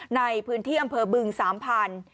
ในพื้นที่อำเภอบึงสามพันธุ์